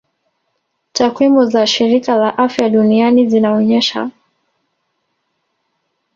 Takwimu za shirika la afya duniani zinaonyesha